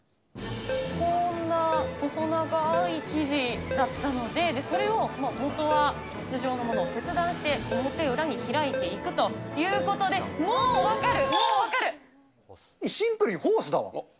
こんな細長ーい生地だったので、それを元は筒状のものを切断して表裏に開いていくということで、シンプルにホースだわ。